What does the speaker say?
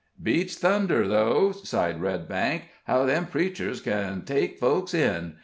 "Beats thunder, though!" sighed Redbank, "how them preachers kin take folks in.